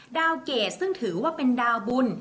เกรดซึ่งถือว่าเป็นดาวบุญ